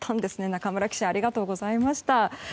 中丸記者ありがとうございました。